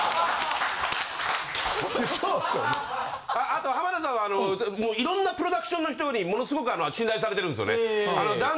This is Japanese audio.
あと浜田さんはもういろんなプロダクションの人にものすごくあの信頼されてるんですよね。